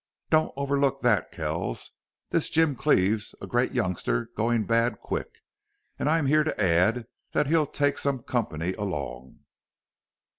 Don't overlook thet.... Kells, this Jim Cleve's a great youngster goin' bad quick. An' I'm here to add that he'll take some company along."